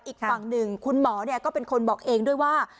อีกฝั่งหนึ่งคุณหมอก็เป็นคนบอกเองด้วยว่า